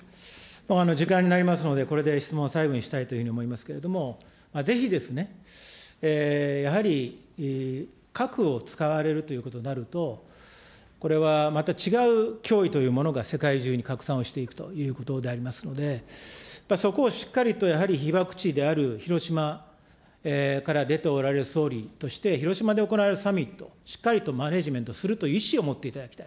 時間になりますので、これで質問は最後にしたいというふうに思いますけれども、ぜひ、やはり、核を使われるということになると、これはまた違う脅威というものが世界中に拡散をしていくということでありますので、そこをしっかりと、やはり被爆地である広島から出ておられる総理として、広島で行われるサミット、しっかりとマネージメントするという意思を持っていただきたい。